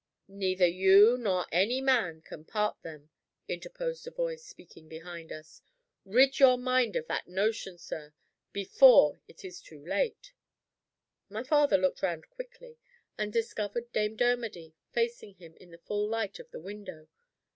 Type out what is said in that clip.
"Neither you nor any man can part them," interposed a voice, speaking behind us. "Rid your mind of that notion, master, before it is too late." My father looked round quickly, and discovered Dame Dermody facing him in the full light of the window.